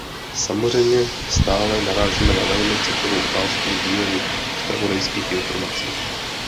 Samozřejmě stále narážíme na velmi citlivou otázku sdílení zpravodajských informací.